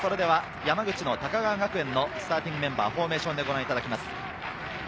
山口の高川学園のスターティングメンバー、フォーメーションでご覧いただきます。